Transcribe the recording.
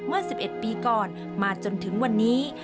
เมื่อ๑๑ปีก่อนมาจนถึงวันนี้